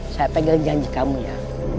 saya pegang janji kamu ya